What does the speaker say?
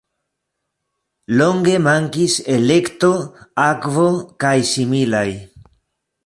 Longe mankis elekto, akvo kaj similaj.